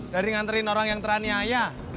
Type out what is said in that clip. dari nganterin orang yang teraniaya